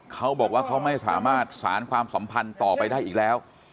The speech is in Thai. เขาบอกว่าเขาไม่สามารถสารความสัมพันธ์ต่อไปได้อีกแล้ว